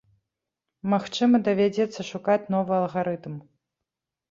Магчыма, давядзецца шукаць новы алгарытм.